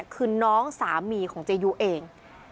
คือน้องสามีของเจยุเอง